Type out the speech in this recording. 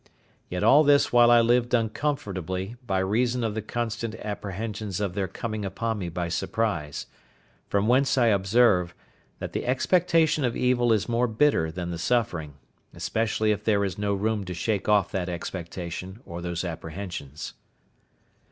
Yet all this while I lived uncomfortably, by reason of the constant apprehensions of their coming upon me by surprise: from whence I observe, that the expectation of evil is more bitter than the suffering, especially if there is no room to shake off that expectation or those apprehensions.